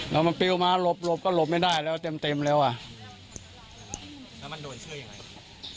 แล้วมันปิวมาหลบหลบก็หลบไม่ได้แล้วเต็มเต็มแล้วอ่ะแล้วมันโดนช่วยยังไง